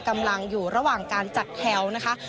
กำลังอยู่ระหว่างการจัดแถวนะคะ